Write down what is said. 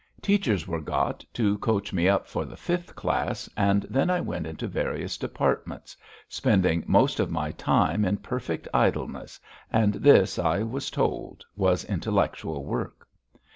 Teachers were got to coach me up for the fifth class, and then I went into various departments, spending most of my time in perfect idleness, and this, I was told, was intellectual work.